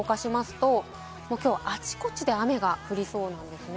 あちこちで雨が降りそうなんですね。